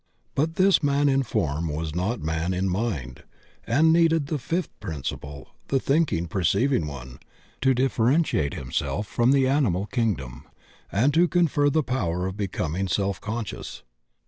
But this man in form was not man in mind, and needed the fifth principle, the thinking, perceiving one, to differentiate him from the animal kingdom and to confer the power of becoming self conscious.